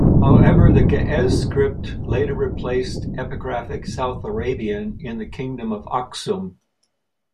However, the Ge'ez script later replaced Epigraphic South Arabian in the Kingdom of Aksum.